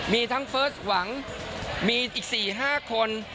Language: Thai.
มีทั้งเฟิร์สหวังมีอีก๔๕คน